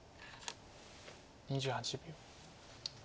２８秒。